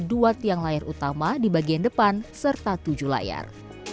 dua tiang layar utama di bagian depan serta tujuh layar